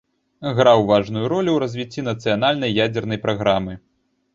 Граў важную ролю ў развіцці нацыянальнай ядзернай праграмы.